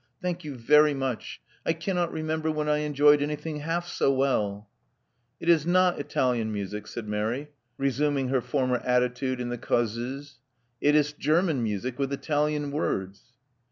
Thank you very much : I cannot remember when I enjoyed anything half so well" It is not Italian music," said Mary, resuming her former attitude in the causeuse, '*It is Grerman music with Italian words."